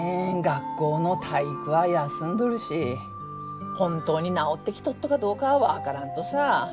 学校の体育は休んどるし本当に治ってきとっとかどうかは分からんとさ。